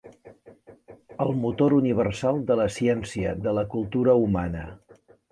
El motor universal de la ciència, de la cultura humana.